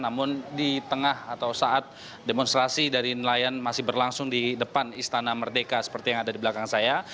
namun di tengah atau saat demonstrasi dari nelayan masih berlangsung di depan istana merdeka seperti yang ada di belakang saya